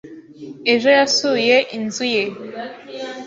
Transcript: Ejo yasuye inzu ye.